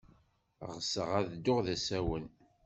Ɣseɣ ad ddun d asawen.